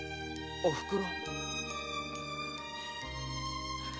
おふくろ！